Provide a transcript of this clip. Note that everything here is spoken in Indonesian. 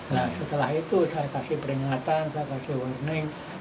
nah setelah itu saya kasih peringatan saya kasih warning